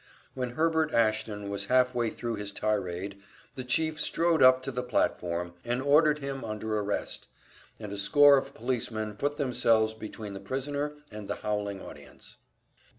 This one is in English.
When Herbert Ashton was half way thru his tirade, the Chief strode up to the platform and ordered him under arrest, and a score of policemen put themselves between the prisoner and the howling audience.